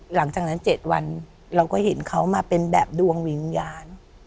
หลังจากนั้น๗วันเราก็เห็นเขามาเป็นแบบดวงวิญญาณ